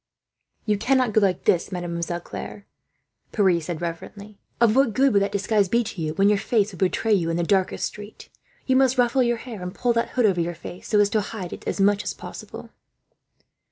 "You cannot go like this, Mademoiselle Claire," Pierre said reverently. "Of what good would that disguise be to you, when your face would betray you in the darkest street? You must ruffle your hair, and pull that hood over your face, so as to hide it as much as possible."